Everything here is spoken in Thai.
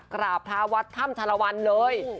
กราบทาวัดถ้ำชรวรรณเลย